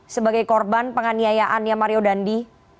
sebagai korban penganiayaan ya mario dandi